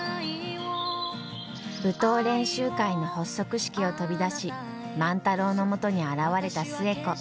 舞踏練習会の発足式を飛び出し万太郎のもとに現れた寿恵子。